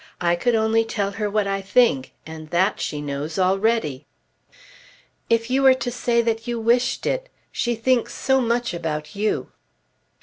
I could only tell her what I think, and that she knows already." "If you were to say that you wished it! She thinks so much about you."